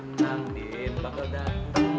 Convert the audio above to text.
tenang din bakal dateng